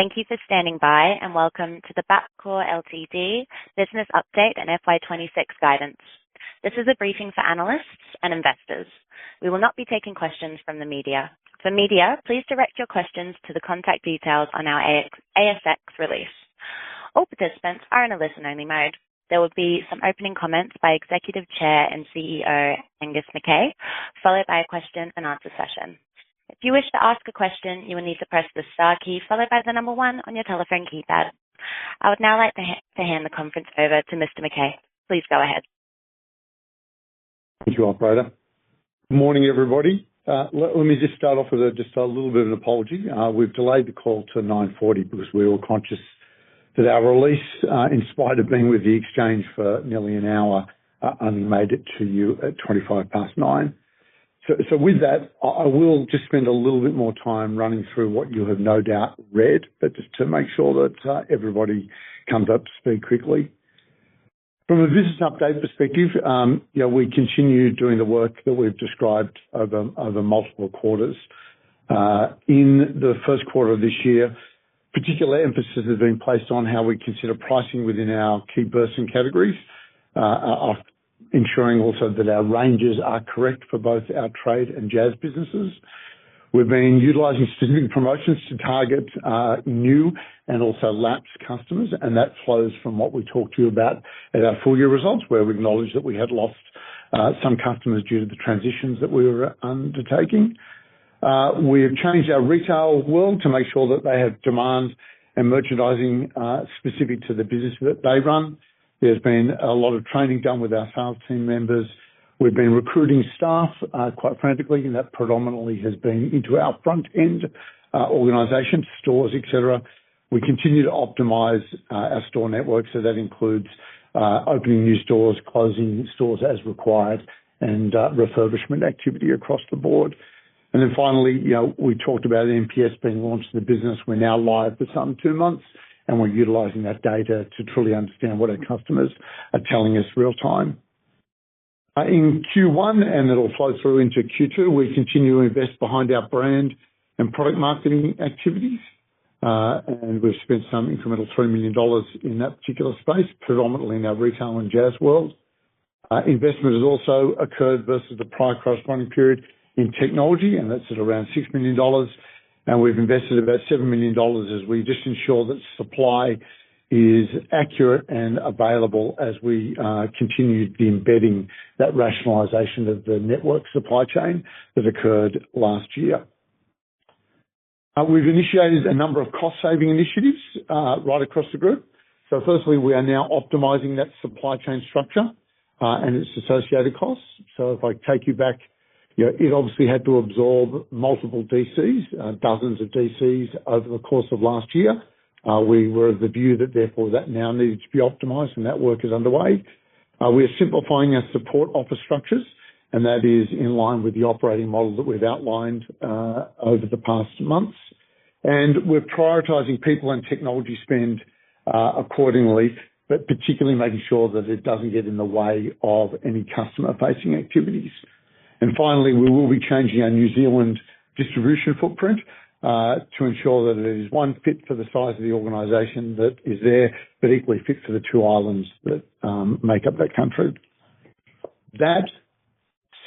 Thank you for standing by, and welcome to the Bapcor Ltd. business update and FY26 guidance. This is a briefing for analysts and investors. We will not be taking questions from the media. For media, please direct your questions to the contact details on our ASX release. All participants are in a listen-only mode. There will be some opening comments by Executive Chair and CEO Angus McKay, followed by a question-and-answer session. If you wish to ask a question, you will need to press the star key, followed by the number one on your telephone keypad. I would now like to hand the conference over to Mr. McKay. Please go ahead. Thank you, Alberta. Good morning, everybody. Let me just start off with just a little bit of an apology. We've delayed the call to 9:40 A.M. because we were conscious that our release, in spite of being with the exchange for nearly an hour, only made it to you at 9:25 A.M. So with that, I will just spend a little bit more time running through what you have no doubt read, but just to make sure that everybody comes up to speed quickly. From a business update perspective, we continue doing the work that we've described over multiple quarters. In the first quarter of this year, particular emphasis has been placed on how we consider pricing within our key Burson categories, ensuring also that our ranges are correct for both our trade and JAS businesses. We've been utilizing specific promotions to target new and also lapsed customers, and that flows from what we talked to you about at our full-year results, where we acknowledged that we had lost some customers due to the transitions that we were undertaking. We have changed our retail world to make sure that they have demand and merchandising specific to the business that they run. There's been a lot of training done with our sales team members. We've been recruiting staff quite frantically, and that predominantly has been into our front-end organization, stores, etc. We continue to optimize our store network, so that includes opening new stores, closing stores as required, and refurbishment activity across the board. And then finally, we talked about NPS being launched in the business. We're now live for some two months, and we're utilizing that data to truly understand what our customers are telling us real-time. In Q1, and it'll flow through into Q2, we continue to invest behind our brand and product marketing activities, and we've spent some incremental 3 million dollars in that particular space, predominantly in our retail and JAS world. Investment has also occurred versus the prior corresponding period in technology, and that's at around 6 million dollars, and we've invested about 7 million dollars as we just ensure that supply is accurate and available as we continue the embedding, that rationalization of the network supply chain that occurred last year. We've initiated a number of cost-saving initiatives right across the group, so firstly, we are now optimizing that supply chain structure and its associated costs. So if I take you back, it obviously had to absorb multiple DCs, dozens of DCs over the course of last year. We were of the view that, therefore, that now needed to be optimized, and that work is underway. We are simplifying our support offer structures, and that is in line with the operating model that we've outlined over the past months. And we're prioritizing people and technology spend accordingly, but particularly making sure that it doesn't get in the way of any customer-facing activities. And finally, we will be changing our New Zealand distribution footprint to ensure that it is one fit for the size of the organization that is there, but equally fit for the two islands that make up that country. That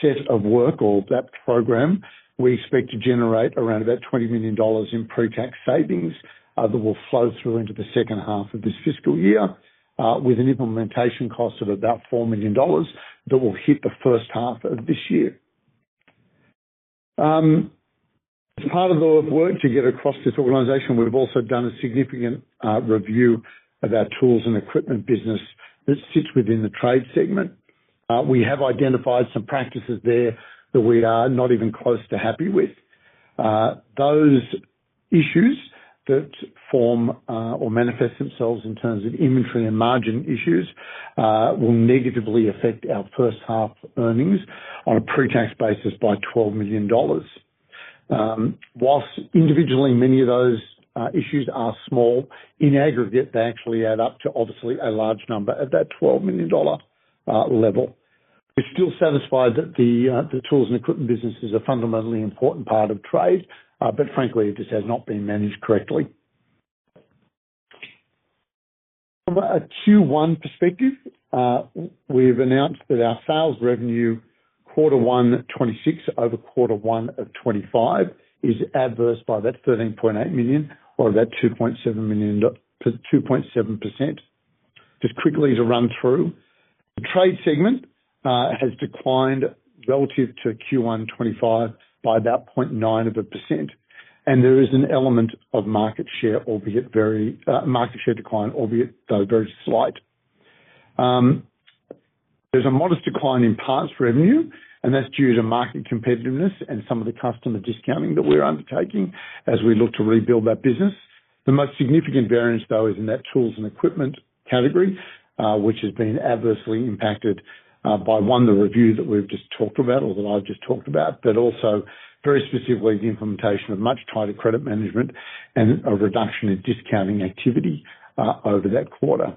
set of work, or that program, we expect to generate around about 20 million dollars in pre-tax savings that will flow through into the second half of this fiscal year with an implementation cost of about 4 million dollars that will hit the first half of this year. As part of the work to get across this organization, we've also done a significant review of our tools and equipment business that sits within the trade segment. We have identified some practices there that we are not even close to happy with. Those issues that form or manifest themselves in terms of inventory and margin issues will negatively affect our first half earnings on a pre-tax basis by 12 million dollars. Whilst individually, many of those issues are small, in aggregate, they actually add up to obviously a large number at that 12 million dollar level. We're still satisfied that the tools and equipment business is a fundamentally important part of trade, but frankly, it just has not been managed correctly. From a Q1 perspective, we've announced that our sales revenue quarter one of 2026 over quarter one of 2025 is adverse by about 13.8 million or about 2.7%. Just quickly to run through, the trade segment has declined relative to Q1 2025 by about 0.9%, and there is an element of market share, albeit very market share decline, albeit though very slight. There's a modest decline in parts revenue, and that's due to market competitiveness and some of the customer discounting that we're undertaking as we look to rebuild that business. The most significant variance, though, is in that tools and equipment category, which has been adversely impacted by, one, the review that we've just talked about, or that I've just talked about, but also very specifically the implementation of much tighter credit management and a reduction in discounting activity over that quarter.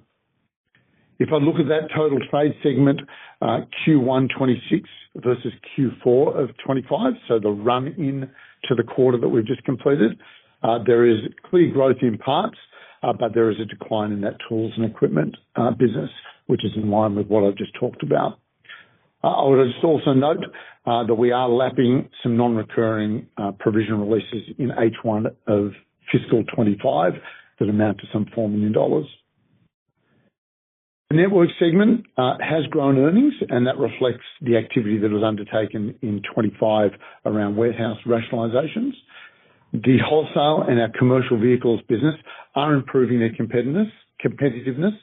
If I look at that total trade segment, Q1 2026 versus Q4 of 2025, so the run-in to the quarter that we've just completed, there is clear growth in parts, but there is a decline in that tools and equipment business, which is in line with what I've just talked about. I would just also note that we are lapping some non-recurring provision releases in H1 of fiscal 2025 that amount to some 4 million dollars. The network segment has grown earnings, and that reflects the activity that was undertaken in 2025 around warehouse rationalizations. The wholesale and our commercial vehicles business are improving their competitiveness,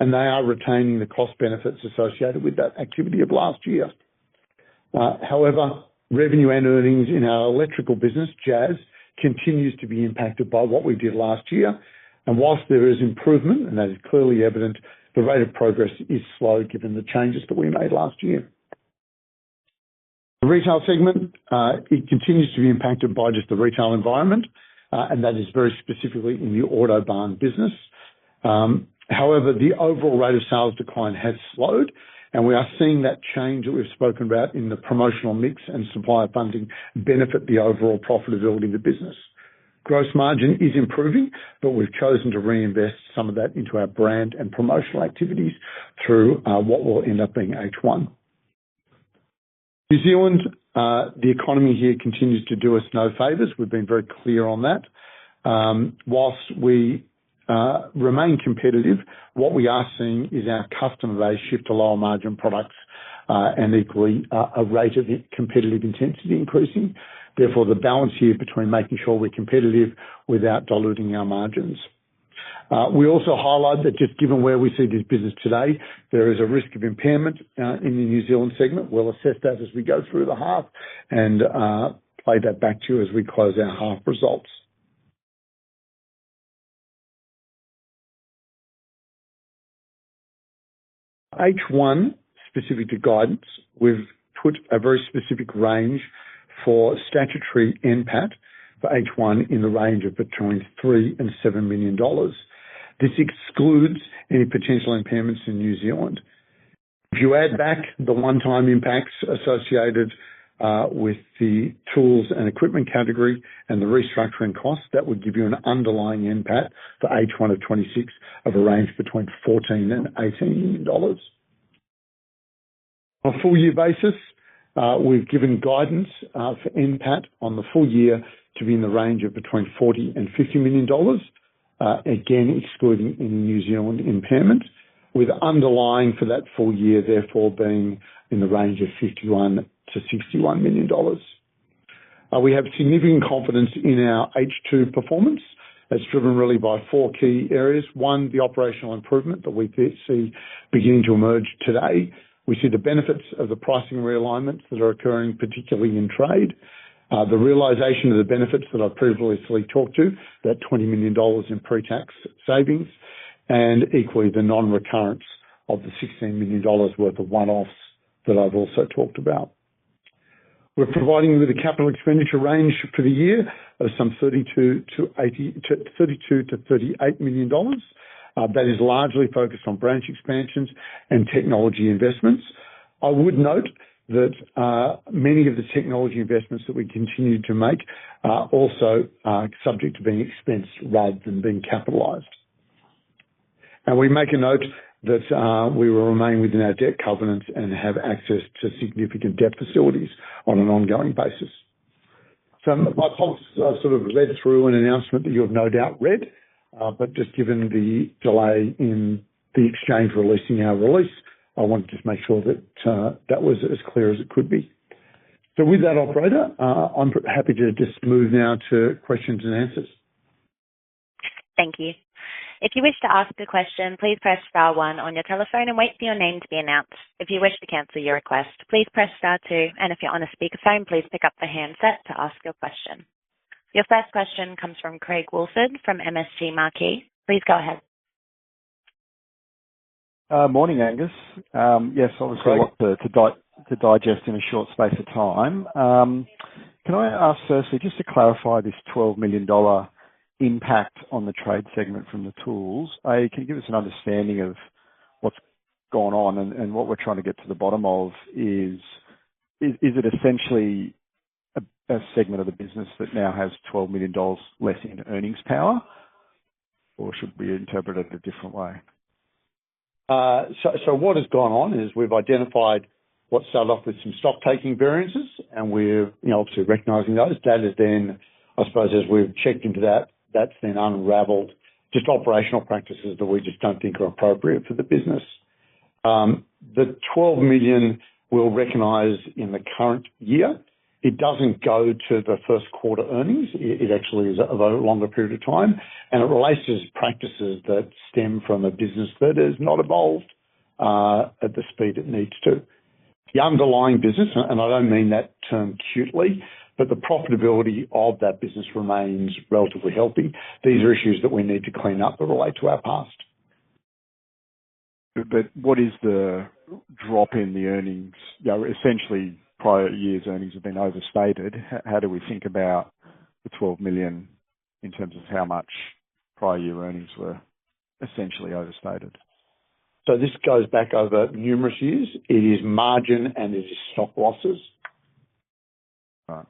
and they are retaining the cost benefits associated with that activity of last year. However, revenue and earnings in our electrical business, JAS, continues to be impacted by what we did last year, and while there is improvement, and that is clearly evident, the rate of progress is slow given the changes that we made last year. The retail segment, it continues to be impacted by just the retail environment, and that is very specifically in the Autobarn business. However, the overall rate of sales decline has slowed, and we are seeing that change that we've spoken about in the promotional mix and supplier funding benefit the overall profitability of the business. Gross margin is improving, but we've chosen to reinvest some of that into our brand and promotional activities through what will end up being H1. New Zealand, the economy here continues to do us no favors. We've been very clear on that. While we remain competitive, what we are seeing is our customer base shift to lower margin products and equally a rate of competitive intensity increasing. Therefore, the balance here between making sure we're competitive without diluting our margins. We also highlight that just given where we see this business today, there is a risk of impairment in the New Zealand segment. We'll assess that as we go through the half and play that back to you as we close our half results. H1, specific to guidance, we've put a very specific range for statutory impact for H1 in the range of between 3 and 7 million dollars. This excludes any potential impairments in New Zealand. If you add back the one-time impacts associated with the tools and equipment category and the restructuring costs, that would give you an underlying impact for H1 of 2026 of a range between 14 million and 18 million dollars. On a full-year basis, we've given guidance for impact on the full year to be in the range of between 40 million and 50 million dollars, again excluding any New Zealand impairment, with underlying for that full year therefore being in the range of 51 million to 61 million dollars. We have significant confidence in our H2 performance. That's driven really by four key areas. One, the operational improvement that we see beginning to emerge today. We see the benefits of the pricing realignments that are occurring, particularly in trade. The realization of the benefits that I've previously talked to, that 20 million dollars in pre-tax savings, and equally the non-recurrence of the 16 million dollars worth of one-offs that I've also talked about. We're providing you with a capital expenditure range for the year of some 32-38 million dollars. That is largely focused on branch expansions and technology investments. I would note that many of the technology investments that we continue to make are also subject to being expensed rather than being capitalized. And we make a note that we will remain within our debt covenants and have access to significant debt facilities on an ongoing basis. So my policies are sort of read through an announcement that you have no doubt read, but just given the delay in the exchange releasing our release, I wanted to just make sure that that was as clear as it could be. So with that, Operator, I'm happy to just move now to questions and answers. Thank you. If you wish to ask a question, please press star one on your telephone and wait for your name to be announced. If you wish to cancel your request, please press star two. And if you're on a speakerphone, please pick up the handset to ask your question. Your first question comes from Craig Woolford from MST Marquee. Please go ahead. Morning, Angus. Yes, obviously I want to digest in a short space of time. Can I ask firstly, just to clarify this 12 million dollar impact on the trade segment from the tools, can you give us an understanding of what's gone on and what we're trying to get to the bottom of? Is it essentially a segment of the business that now has 12 million dollars less in earnings power, or should we interpret it a different way? So what has gone on is we've identified what's set off with some stock-taking variances, and we're obviously recognizing those. That has been, I suppose, as we've checked into that, that's been unraveled, just operational practices that we just don't think are appropriate for the business. The 12 million we'll recognize in the current year, it doesn't go to the first quarter earnings. It actually is of a longer period of time, and it relates to practices that stem from a business that has not evolved at the speed it needs to. The underlying business, and I don't mean that term cutely, but the profitability of that business remains relatively healthy. These are issues that we need to clean up that relate to our past. But what is the drop in the earnings? Essentially, prior year's earnings have been overstated. How do we think about the 12 million in terms of how much prior year earnings were essentially overstated? So this goes back over numerous years. It is margin and it is stock losses. Right.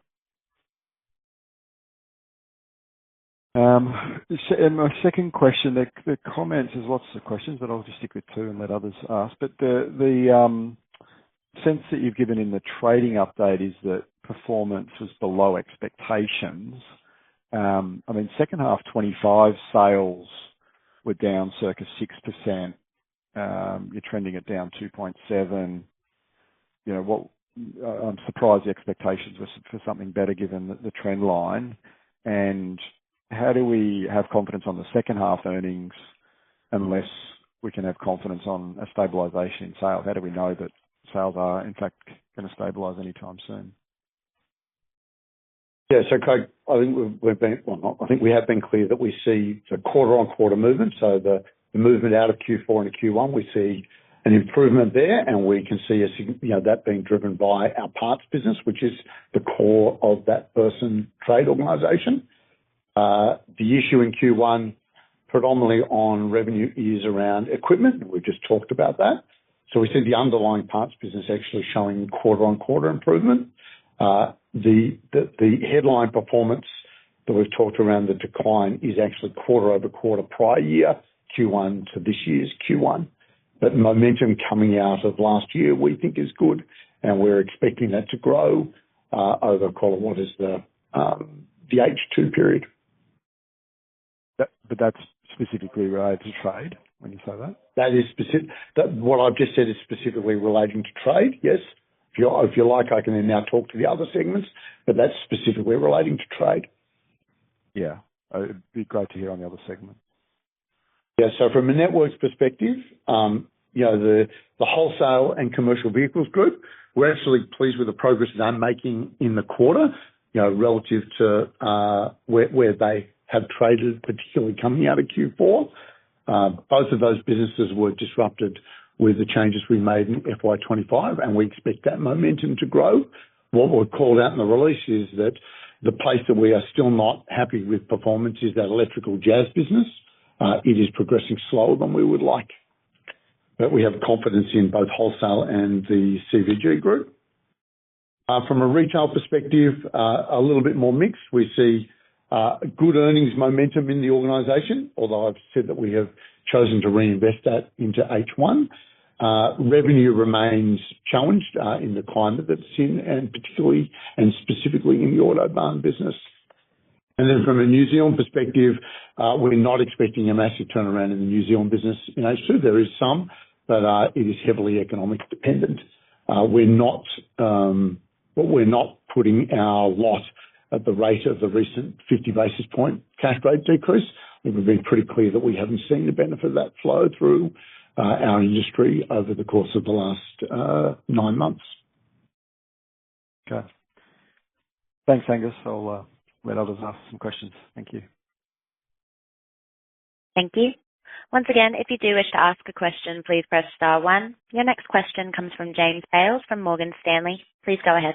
My second question, the comments is lots of questions, but I'll just stick with two and let others ask. But the sense that you've given in the trading update is that performance was below expectations. I mean, second half 2025 sales were down circa 6%. You're trending it down 2.7. I'm surprised the expectations were for something better given the trend line. And how do we have confidence on the second half earnings unless we can have confidence on a stabilization in sales? How do we know that sales are, in fact, going to stabilize anytime soon? Yeah. So Craig, I think we've been well, I think we have been clear that we see quarter-on-quarter movement. So the movement out of Q4 into Q1, we see an improvement there, and we can see that being driven by our parts business, which is the core of that Burson trade organization. The issue in Q1, predominantly on revenue, is around equipment. We've just talked about that. So we see the underlying parts business actually showing quarter-on-quarter improvement. The headline performance that we've talked around the decline is actually quarter-over-quarter prior year, Q1 to this year's Q1. But momentum coming out of last year, we think, is good, and we're expecting that to grow over, call it what is the H2 period. But that's specifically related to trade, when you say that? That is specific. What I've just said is specifically relating to trade, yes. If you like, I can then now talk to the other segments, but that's specifically relating to trade. Yeah. It'd be great to hear on the other segment. Yeah. So from a network perspective, the wholesale and commercial vehicles group, we're absolutely pleased with the progress they're making in the quarter relative to where they have traded, particularly coming out of Q4. Both of those businesses were disrupted with the changes we made in FY25, and we expect that momentum to grow. What we've called out in the release is that the place that we are still not happy with performance is that electrical JAS business. It is progressing slower than we would like, but we have confidence in both wholesale and the CVG group. From a retail perspective, a little bit more mixed. We see good earnings momentum in the organization, although I've said that we have chosen to reinvest that into H1. Revenue remains challenged in the climate that's in, and specifically in the Autobarn business. And then from a New Zealand perspective, we're not expecting a massive turnaround in the New Zealand business in H2. There is some, but it is heavily economically dependent. We're not putting our lot at the rate of the recent 50 basis point cash rate decrease. We've been pretty clear that we haven't seen the benefit of that flow through our industry over the course of the last nine months. Okay. Thanks, Angus. I'll let others ask some questions. Thank you. Thank you. Once again, if you do wish to ask a question, please press star one. Your next question comes from James Bales from Morgan Stanley. Please go ahead.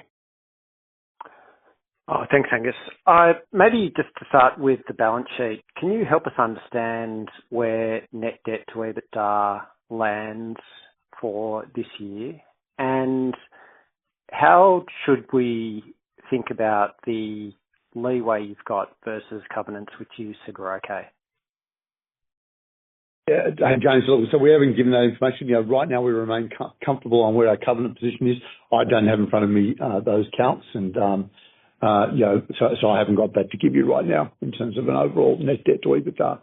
Oh, thanks, Angus. Maybe just to start with the balance sheet, can you help us understand where net debt to EBITDA lands for this year? And how should we think about the leeway you've got versus covenants which you said were okay? Yeah. James, so we haven't given that information. Right now, we remain comfortable on where our covenant position is. I don't have in front of me those covenants, and so I haven't got that to give you right now in terms of an overall net debt to EBITDA.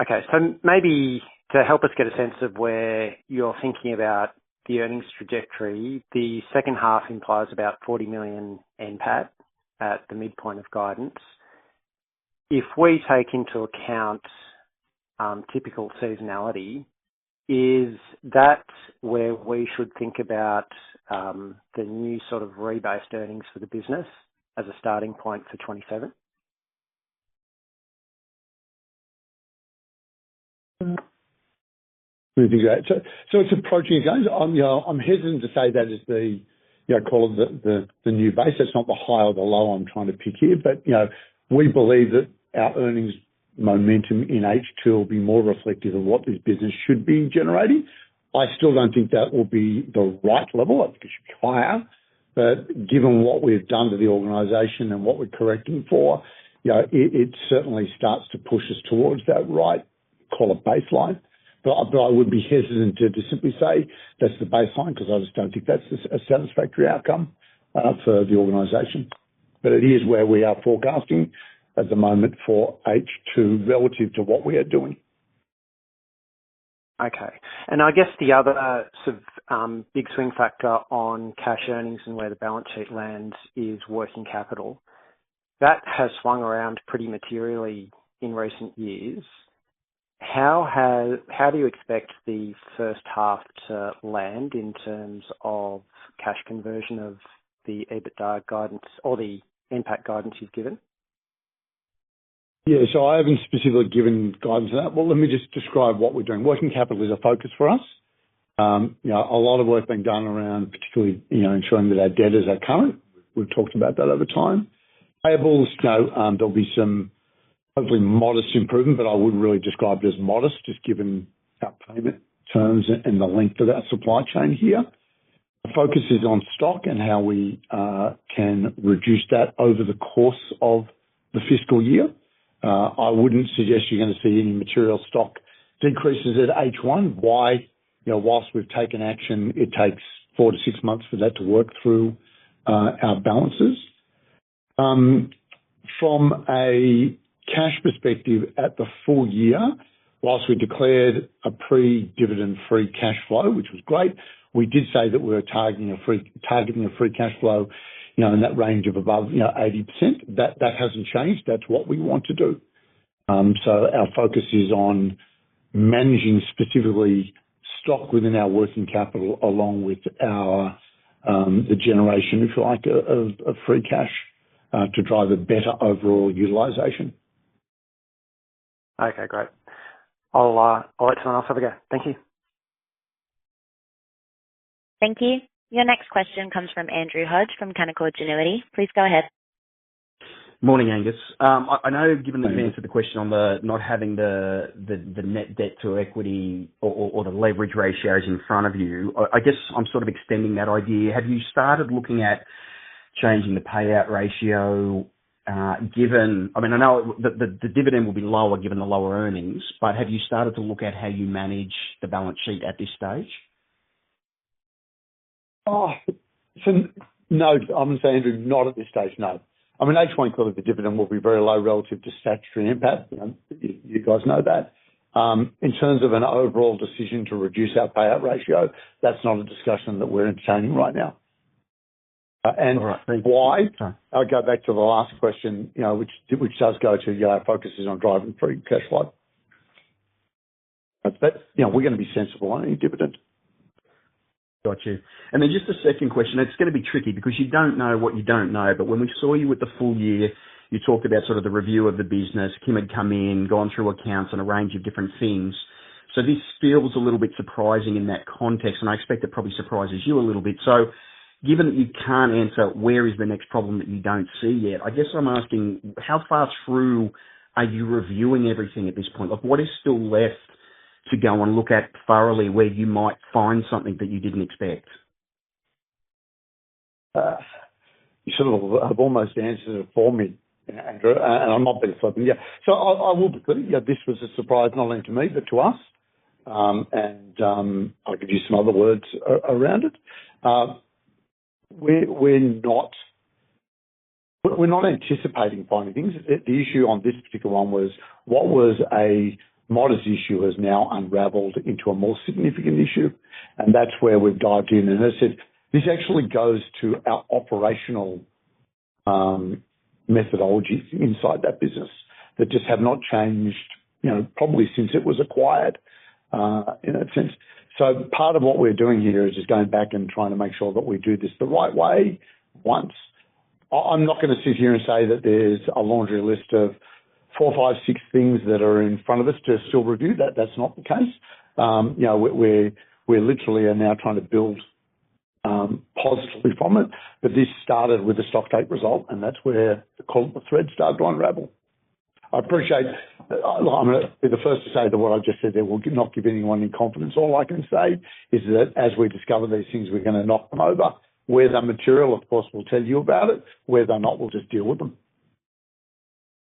Okay, so maybe to help us get a sense of where you're thinking about the earnings trajectory, the second half implies about 40 million NPAT at the midpoint of guidance. If we take into account typical seasonality, is that where we should think about the new sort of rebased earnings for the business as a starting point for 2027? So it's approaching a guidance. I'm hesitant to say that it's the, call it the new base. That's not the high or the low I'm trying to pick here, but we believe that our earnings momentum in H2 will be more reflective of what this business should be generating. I still don't think that will be the right level. I think it should be higher. But given what we've done to the organization and what we're correcting for, it certainly starts to push us towards that right, call it baseline. But I would be hesitant to simply say that's the baseline because I just don't think that's a satisfactory outcome for the organization. But it is where we are forecasting at the moment for H2 relative to what we are doing. Okay, and I guess the other sort of big swing factor on cash earnings and where the balance sheet lands is working capital. That has swung around pretty materially in recent years. How do you expect the first half to land in terms of cash conversion of the EBITDA guidance or the impact guidance you've given? Yeah. So I haven't specifically given guidance on that. Well, let me just describe what we're doing. Working capital is a focus for us. A lot of work being done around, particularly, ensuring that our debtors are current. We've talked about that over time. Payables, there'll be some hopefully modest improvement, but I wouldn't really describe it as modest just given our payment terms and the length of our supply chain here. The focus is on stock and how we can reduce that over the course of the fiscal year. I wouldn't suggest you're going to see any material stock decreases at H1. Why? While we've taken action, it takes four to six months for that to work through our balances. From a cash perspective at the full year, while we declared a pre-dividend free cash flow, which was great, we did say that we were targeting a free cash flow in that range of above 80%. That hasn't changed. That's what we want to do. So our focus is on managing specifically stock within our working capital along with the generation, if you like, of free cash to drive a better overall utilization. Okay. Great. I'll let someone else have a go. Thank you. Thank you. Your next question comes from Andrew Hodge from Canaccord Genuity. Please go ahead. Morning, Angus. I know given that you've answered the question on the not having the net debt to equity or the leverage ratios in front of you, I guess I'm sort of extending that idea. Have you started looking at changing the payout ratio given I mean, I know the dividend will be lower given the lower earnings, but have you started to look at how you manage the balance sheet at this stage? No. I'm going to say, Andrew, not at this stage, no. I mean, H1, clearly, the dividend will be very low relative to statutory impact. You guys know that. In terms of an overall decision to reduce our payout ratio, that's not a discussion that we're entertaining right now. And why? I'll go back to the last question, which does go to our focus is on driving free cash flow. But we're going to be sensible on any dividend. Got you. And then just a second question. It's going to be tricky because you don't know what you don't know, but when we saw you with the full year, you talked about sort of the review of the business, Kim had come in, gone through accounts and a range of different things. So this feels a little bit surprising in that context, and I expect it probably surprises you a little bit. So given that you can't answer where is the next problem that you don't see yet, I guess I'm asking how far through are you reviewing everything at this point? What is still left to go and look at thoroughly where you might find something that you didn't expect? You sort of have almost answered it for me, Andrew, and I'm not being flippant. Yeah, so I will be clear. This was a surprise not only to me but to us, and I'll give you some other words around it. We're not anticipating finding things. The issue on this particular one was what was a modest issue has now unraveled into a more significant issue, and that's where we've dived in, and as I said, this actually goes to our operational methodology inside that business that just have not changed probably since it was acquired in that sense, so part of what we're doing here is just going back and trying to make sure that we do this the right way once. I'm not going to sit here and say that there's a laundry list of four, five, six things that are in front of us to still review. That's not the case. We literally are now trying to build positively from it, but this started with the stock take result, and that's where the thread started to unravel. I appreciate I'm going to be the first to say that what I've just said there will not give anyone any confidence. All I can say is that as we discover these things, we're going to knock them over. Where they're material, of course, we'll tell you about it. Where they're not, we'll just deal with them.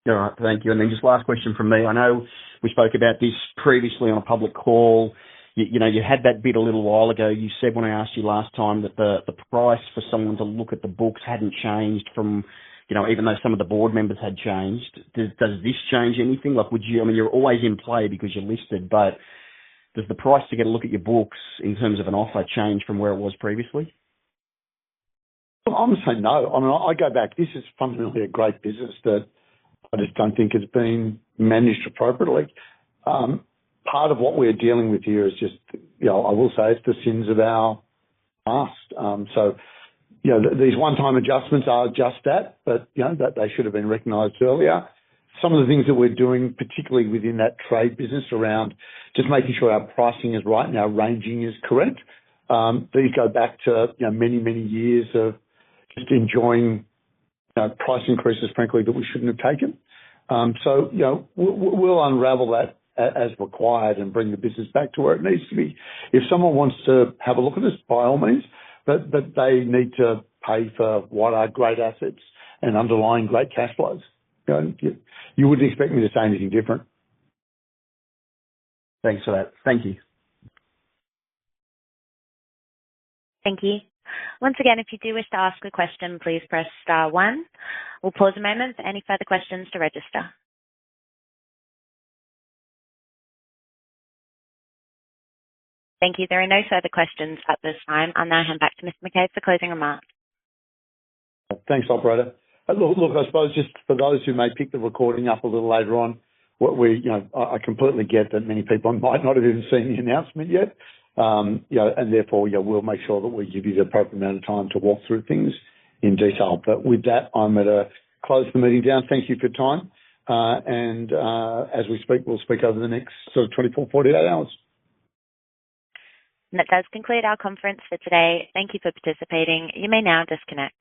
All right. Thank you. And then just last question from me. I know we spoke about this previously on a public call. You had that bid a little while ago. You said when I asked you last time that the price for someone to look at the books hadn't changed, even though some of the board members had changed. Does this change anything? I mean, you're always in play because you're listed, but does the price to get a look at your books in terms of an offer change from where it was previously? Well, I'm going to say no. I mean, I go back. This is fundamentally a great business that I just don't think has been managed appropriately. Part of what we're dealing with here is just I will say it's the sins of our past. So these one-time adjustments are just that, but they should have been recognized earlier. Some of the things that we're doing, particularly within that trade business around just making sure our pricing is right and our ranging is correct, these go back to many, many years of just enjoying price increases, frankly, that we shouldn't have taken. So we'll unravel that as required and bring the business back to where it needs to be. If someone wants to have a look at us, by all means, but they need to pay for what are great assets and underlying great cash flows. You wouldn't expect me to say anything different. Thanks for that. Thank you. Thank you. Once again, if you do wish to ask a question, please press star one. We'll pause a moment for any further questions to register. Thank you. There are no further questions at this time. I'll now hand back to Mr. McKay for closing remarks. Thanks, Alberta. Look, I suppose just for those who may pick the recording up a little later on, I completely get that many people might not have even seen the announcement yet, and therefore we'll make sure that we give you the appropriate amount of time to walk through things in detail. But with that, I'm going to close the meeting down. Thank you for your time. And as we speak, we'll speak over the next sort of 24-48 hours. That does conclude our conference for today. Thank you for participating. You may now disconnect.